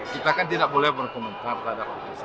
kita kan tidak boleh berkomentar terhadap putusan